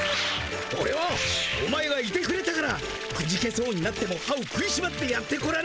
オレはお前がいてくれたからくじけそうになっても歯を食いしばってやってこられたんだ。